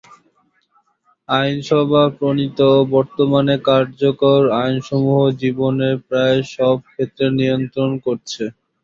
আইনসভা প্রণীত ও বর্তমানে কার্যকর আইনসমূহ জীবনের প্রায় সকল ক্ষেত্র নিয়ন্ত্রণ করছে।